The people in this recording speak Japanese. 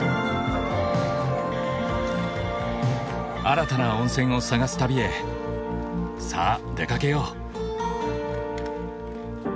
新たな温泉を探す旅へさあ出かけよう。